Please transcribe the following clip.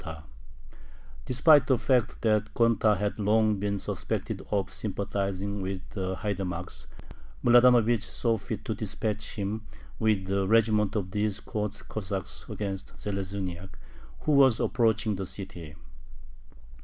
Despite the fact that Gonta had long been suspected of sympathizing with the haidamacks, Mladanovich saw fit to dispatch him with a regiment of these court Cossacks against Zheleznyak, who was approaching the city.